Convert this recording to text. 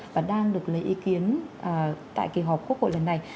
và đang được lấy ý kiến tại kỳ họp quốc hội lần này